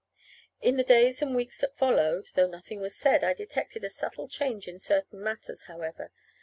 In the days and weeks that followed (though nothing was said) I detected a subtle change in certain matters, however.